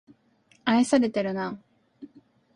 愛されてるな